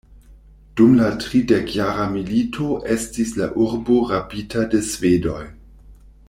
Dum la tridekjara milito estis la urbo rabita de svedoj.